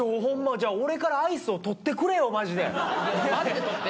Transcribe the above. じゃあ俺からアイスをとってくれよマジでマジでとって！